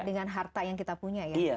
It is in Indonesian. dengan harta yang kita punya ya